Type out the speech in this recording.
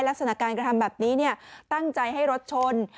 ลักษณะการกระทำแบบนี้ตั้งใจให้รถชน